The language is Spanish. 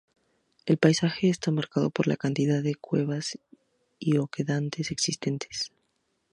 El paisaje está marcado por la cantidad de cuevas y oquedades existentes.